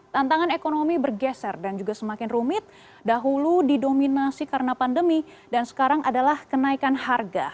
tantangan ekonomi bergeser dan juga semakin rumit dahulu didominasi karena pandemi dan sekarang adalah kenaikan harga